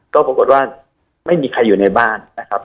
ก็ปรากฏว่าไม่มีใครอยู่ในบ้านนะครับ